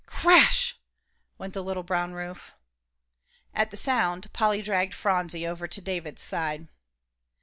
"Crash!" went the little brown roof. At the sound, Polly dragged Phronsie over to David's side.